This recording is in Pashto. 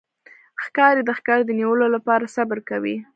ښکاري د ښکار د نیولو لپاره صبر کوي.